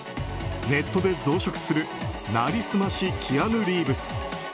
ネットで増殖する成り済ましキアヌ・リーブス。